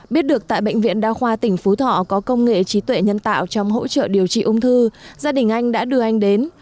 biết được tại bệnh viện đa khoa tỉnh phú thọ có công nghệ trí tuệ nhân tạo trong hỗ trợ điều trị ung thư gia đình anh đã đưa anh đến